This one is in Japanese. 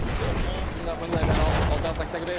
シンガーソングライターの岡崎体育です。